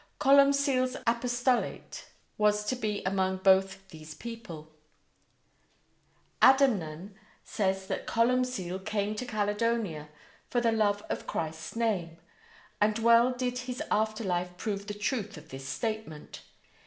Columcille's apostolate was to be among both these peoples. Adamnan says that Columcille came to Caledonia "for the love of Christ's name", and well did his after life prove the truth of this statement.